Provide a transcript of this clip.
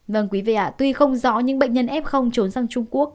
vâng quý vị tuy không rõ những bệnh nhân f trốn sang trung quốc